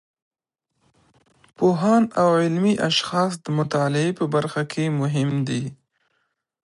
پوهان او علمي اشخاص د مطالعې په برخه کې مهم دي.